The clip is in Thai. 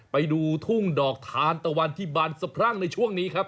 ไปดูทุ่งดอกทานตะวันที่บานสะพรั่งในช่วงนี้ครับ